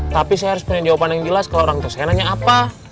tapi saya harus punya jawaban yang jelas kalau orang tua saya nanya apa